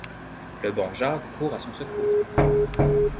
Le bon Jacques court à son secours.